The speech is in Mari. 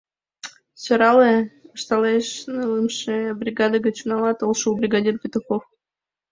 — Сӧрале! — ышталеш нылымше бригаде гыч унала толшо у бригадир Петухов.